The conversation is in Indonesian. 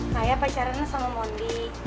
raya pacaran sama mondi